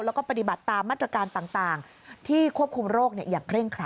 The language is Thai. แล้วก็ปฏิบัติตามมาตรการต่างที่ควบคุมโรคอย่างเคร่งครั